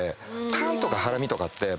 タンとかハラミとかって。